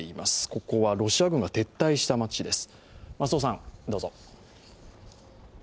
ここはロシア軍が撤退した街です。